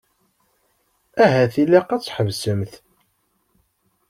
Ahat ilaq ad tḥebsemt.